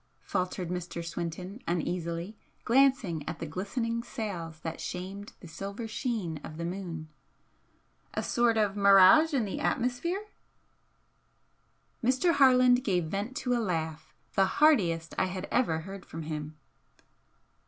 faltered Mr. Swinton, uneasily, glancing at the glistening sails that shamed the silver sheen of the moon "A sort of mirage in the atmosphere " Mr. Harland gave vent to a laugh the heartiest I had ever heard from him.